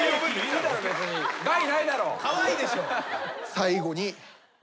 最後に私。